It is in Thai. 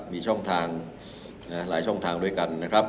มีช่องทางหลายช่องทางด้วยกันนะครับ